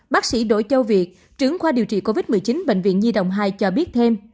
bác sĩ đỗ châu việt trưởng khoa điều trị covid một mươi chín bệnh viện nhi đồng hai cho biết thêm